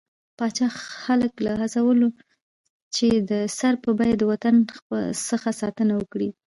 پاچا خلک له وهڅول، چې د سر په بيه د وطن څخه ساتنه وکړي.